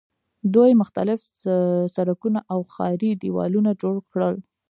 دوی مختلف سړکونه او ښاري دیوالونه جوړ کړل.